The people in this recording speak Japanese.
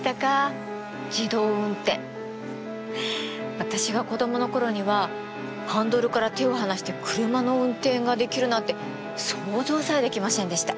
私が子供の頃にはハンドルから手を離して車の運転ができるなんて想像さえできませんでした。